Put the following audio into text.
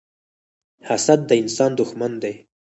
حسد د انسان دښمن دی